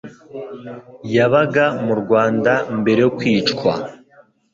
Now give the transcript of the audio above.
yabaga mu Rwanda mbere yo kwicwa